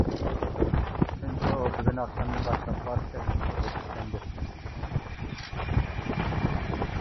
چۈنكى ئۇ بۈگۈن ئاخشامدىن باشلاپ بارسا كەلمەس يولغا چۈشكەنىدى.